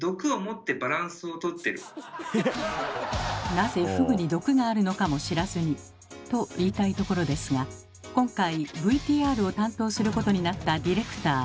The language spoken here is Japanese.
なぜフグに毒があるのかも知らずにと言いたいところですが今回ＶＴＲを担当することになったディレクター。